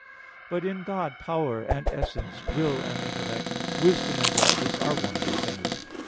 But in God, power and essence, will and intellect, wisdom and justice, are one and the same.